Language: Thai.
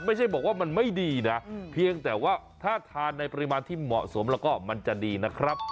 ไม่ใช่บอกว่ามันไม่ดีนะเพียงแต่ว่าถ้าทานในปริมาณที่เหมาะสมแล้วก็มันจะดีนะครับ